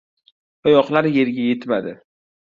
Oyoqlari yerga yetmadi!